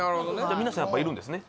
皆さんやっぱいるんですね